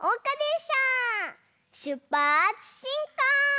しゅっぱつしんこう！